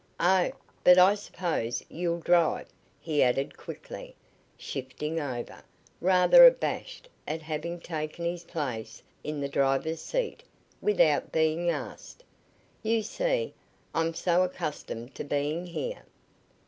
"Oh, but I suppose you'll drive," he added quickly, shifting over, rather abashed at having taken his place in the driver's seat without being asked. "You see, I'm so accustomed to being here."